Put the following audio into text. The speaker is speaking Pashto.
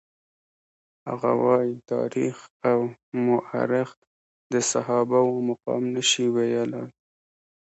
هغه وايي تاریخ او مورخ د صحابه وو مقام نشي ویلای.